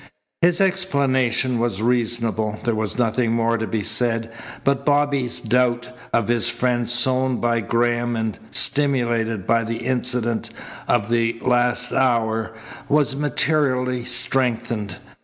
His explanation was reasonable. There was nothing more to be said, but Bobby's doubt of his friend, sown by Graham and stimulated by the incidents of the last hour, was materially strengthened.